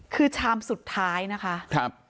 คือชามสุดท้ายนะคะ